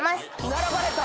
並ばれた！